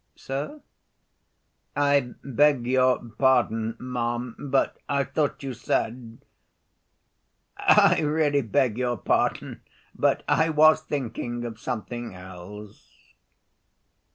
"Sir?" "I beg your pardon, ma'am, but I thought you said I really beg your pardon, but I was thinking of something else."